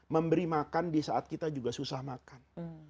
memberi makan di saat kita juga susah makan